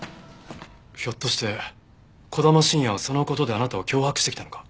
ひょっとして児玉慎也はその事であなたを脅迫してきたのか？